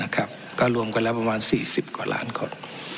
ก็รวมกันแล้วประมาณ๔๐กว่าล้านคน